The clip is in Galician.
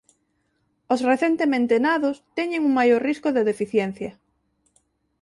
Os recentemente nados teñen un maior risco de deficiencia.